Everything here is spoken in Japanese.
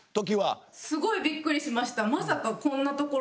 すごいびっくりしました。